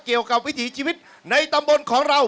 เกี่ยวกับวิถีชีวิตในตำบลของเรา